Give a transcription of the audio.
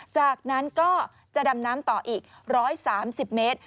จากนั้นก็จะดำน้ำต่ออีก๑๓๐เมตร